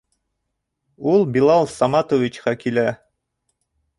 Ул Билал Саматовичҡа килә.